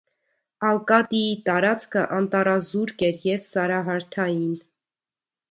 Ալկատիի տարածքը անտառազուրկ էր և սարահարթային։